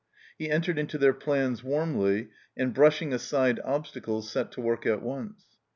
He entered into their plans warmly, and brushing aside obstacles set to work at once.